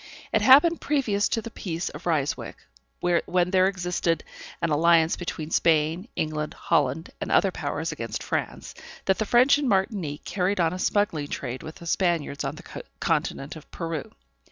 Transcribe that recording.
It happened previous to the peace of Ryswick, when there existed an alliance between Spain, England, Holland, and other powers, against France, that the French in Martinique carried on a smuggling trade with the Spaniards on the continent of Peru.